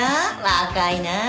若いなあ。